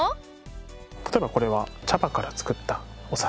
例えばこれは茶葉から作ったお皿。